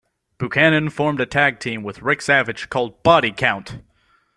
Buchanan formed a tag team with Ric Savage called "Body Count".